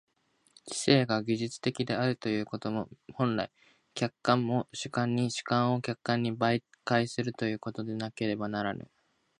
知性が技術的であるということも、本来、客観を主観に、主観を客観に媒介するということでなければならぬ。